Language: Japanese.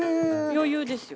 余裕ですよ。